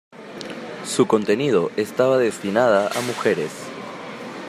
Su contenido estaba destinada a mujeres.